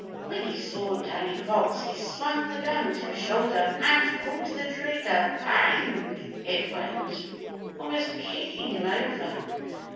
When he saw Danny Fox he swung the gun to his shoulder and pulled the trigger. Bang! it went, almost kicking him over.